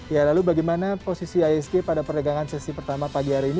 ya lalu bagaimana posisi isg pada perdagangan sesi pertama pagi hari ini